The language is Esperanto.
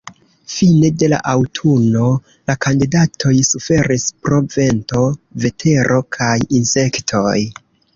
Fine de la aŭtuno la kandidatoj suferis pro vento, vetero kaj insektoj.